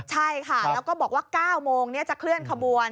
ใช่ค่ะแล้วก็บอกว่า๙โมงจะเคลื่อนขบวน